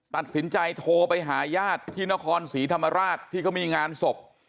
ตัดสินใจโทรไปหาญาติที่นครศรีธรรมราชที่เขามีงานศพ